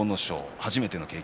初めての経験。